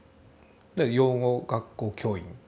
で養護学校教員。